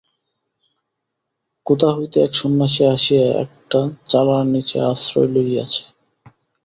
কোথা হইতে এক সন্ন্যাসী আসিয়া একটা চালার নিচে আশ্রয় লইয়াছে।